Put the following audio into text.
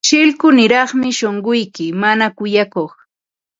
Shillkuniraqmi shunquyki, mana kuyakuq.